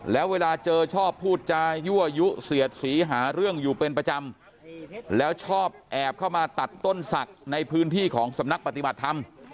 แล้วเวลาเจอชอบพูดจายั่วยุเสียดสีหาเรื่องอยู่เป็นประจำแล้วชอบแอบเข้ามาตัดต้นศักดิ์ในพื้นที่ของสำนักปฏิบัติธรรม